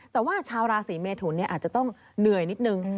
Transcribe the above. แต่ว่าชาวราศีเมทุนอาจจะต้องเหนื่อยนิดนึง